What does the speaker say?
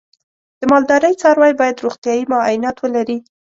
د مالدارۍ څاروی باید روغتیايي معاینات ولري.